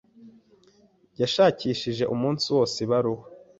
Yashakishije umunsi wose ibaruwa.